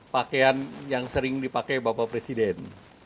pakaian yang sering dipakai bapak presiden